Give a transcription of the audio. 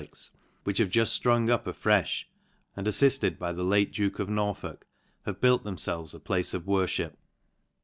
'ia, which have juft fprung up afrefh, and, aflilted by the late duke of Norfylkj have built themfelves a place of worfhip.